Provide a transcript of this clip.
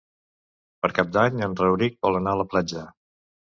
Per Cap d'Any en Rauric vol anar a la platja.